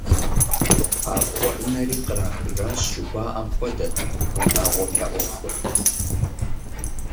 «Абгъуэрынэри кърахыжащ» жыхуаӀэм хуэдэт унагъуэм я Ӏуэхур.